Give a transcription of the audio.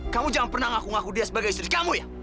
kamu jangan pernah ngaku ngaku dia sebagai istri kamu ya